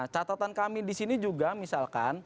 catatan kami disini juga misalkan